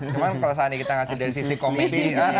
cuman kalau seandainya kita ngasih dari sisi komedi